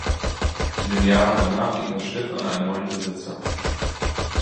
In den Jahren danach ging das Schiff an einen neuen Besitzer.